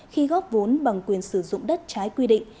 khi góp vốn bằng quyền sử dụng đất trái quy định